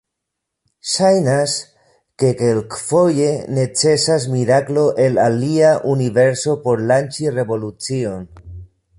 Ŝajnas, ke kelkfoje necesas miraklo el alia universo por lanĉi revolucion.